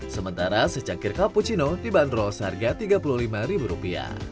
sementara secangkir cappuccino dibanderol seharga rp tiga puluh lima